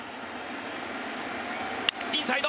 インサイド。